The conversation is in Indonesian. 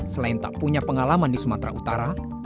selain tak punya pengalaman di sumatera utara